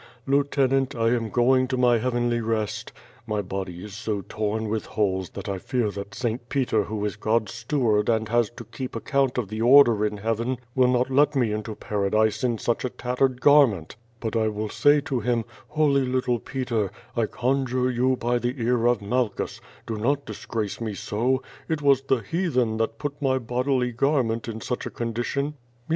lieutenant, I am going to my heavenly rest. My body is so torn with holes that I fear that St. Peter who is God's steward and has to keep account of the order in Heaven will not let me into Paradise in such a tattered garment; but I will say to him, 'Holy little Peter, I conjure you by the ear of Mai eh us, do not disgrace me so; it was the heathen that put my bodily garment in such a condition